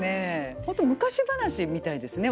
ホント昔話みたいですね。